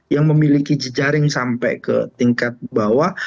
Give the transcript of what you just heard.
yang memiliki jejaring sampai ke tingkat bawah